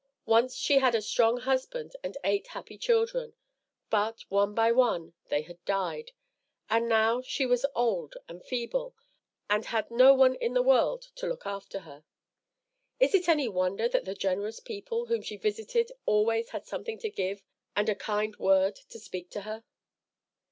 Once she had a strong husband and eight happy children, but, one by one, they had died, and now she was old and feeble, and had no one in the world to look after her. Is it any wonder that the generous people whom she visited always had something to give and a kind word to speak to her?